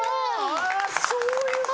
あっそういう事。